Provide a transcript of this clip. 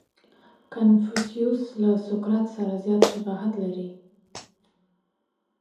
• کنفوسیوس له سوکرات سره زیات شباهت درلود.